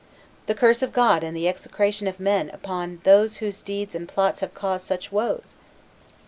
The curse of God and the execration of men upon those whose deeds and plots have caused such woes!